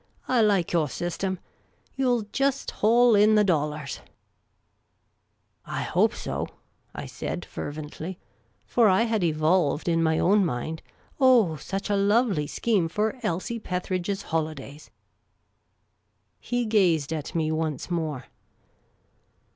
I like your system. You '11 jest haul in the dollars !"" I hope so," I said, fervently ; for I had evolved in my own mind, oh, such a lovely scheme for Elsie Petheridge's holidays ! He gazed at me once more.